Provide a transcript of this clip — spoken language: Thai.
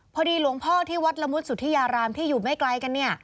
พอดีหลวงพ่อที่วัดละมุดสุธิยารามที่อยู่ไม่ไกลกัน